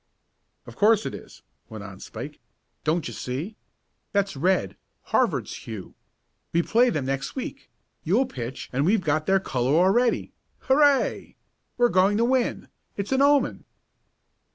"Of course it is," went on Spike. "Don't you see? That's red Harvard's hue. We play them next week, you'll pitch and we've got their color already. Hurray! We're going to win! It's an omen!"